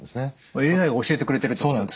ＡＩが教えてくれてるってことですか。